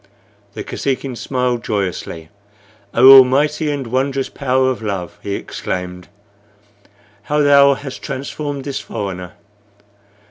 The Kosekin smiled joyously. "Oh, almighty and wondrous power of Love!" he exclaimed, "how thou hast transformed this foreigner!